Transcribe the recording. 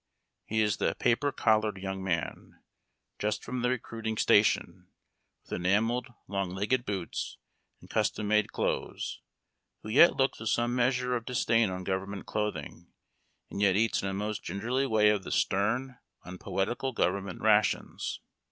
He is the paper collar young man^ just from the recruiting station, with enamelled long legged boots and custom made clothes, who yet looks with some measure of dis dain on government clothing, and yet eats in a most gingerly way of the stern, unpoetical government ' rations.